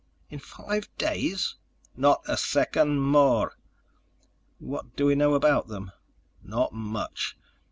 "In five days?" "Not a second more." "What do we know about them?" "Not much.